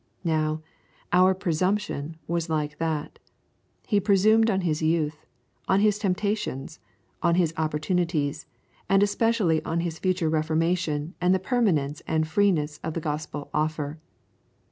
Now, our Presumption was like that. He presumed on his youth, on his temptations, on his opportunities, and especially on his future reformation and the permanence and the freeness of the gospel offer.